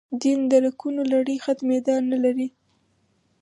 دین درکونو لړۍ ختمېدا نه لري.